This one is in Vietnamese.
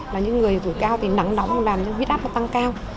là những người tuổi cao thì nắng nóng làm những huyết áp nó tăng cao